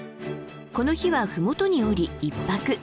この日は麓に下り一泊。